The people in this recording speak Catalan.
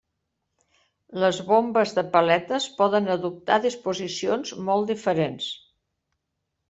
Les bombes de paletes poden adoptar disposicions molt diferents.